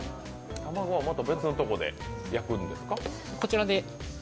卵はまた別のところで焼くんですか？